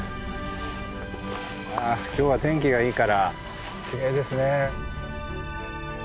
あ今日は天気がいいからきれいですね。